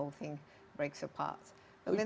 bahwa proyek eu terutama